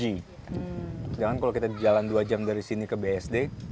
sedangkan kalau kita jalan dua jam dari sini ke bsd